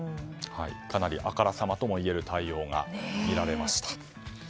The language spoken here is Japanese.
かなりあからさまともいえる対応が見られました。